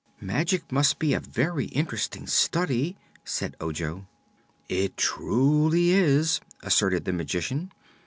"Magic must be a very interesting study," said Ojo. "It truly is," asserted the Magician.